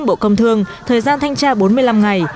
bộ công thương thời gian thanh tra bốn mươi năm ngày